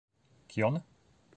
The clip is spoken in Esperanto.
Kion?